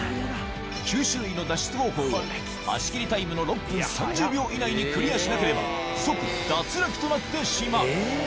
９種類の脱出方法を足切りタイムの６分３０秒以内にクリアしなければ即脱落となってしまう